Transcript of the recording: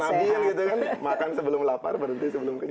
kata nabil gitu kan makan sebelum lapar berarti sebelum kenyang